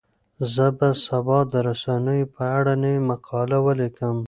زه به سبا د رسنیو په اړه نوې مقاله ولیکم.